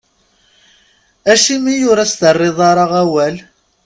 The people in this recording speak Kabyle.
Acimi ur as-terriḍ ara awal?